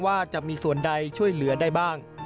ว่าจะมีส่วนใดช่วยเหลือได้บ้าง